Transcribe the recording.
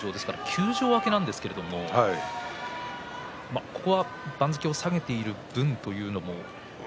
休場明けになりますがここは番付を下げている分というのも。